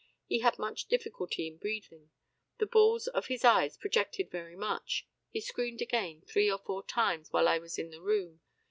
He had much difficulty in breathing. The balls of his eyes projected very much. He screamed again three or four times while I was in the room.